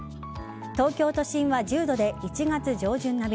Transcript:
東京都心は１０度で１月上旬並み。